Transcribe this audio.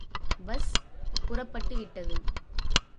Bus புறப்பட்டு விட்டது.